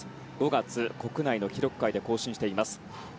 ５月、国内の記録会で更新しています。